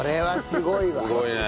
すごいね。